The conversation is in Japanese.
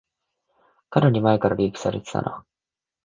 かなり前からリークされてたな